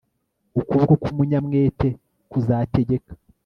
ukuboko k'umunyamwete kuzategeka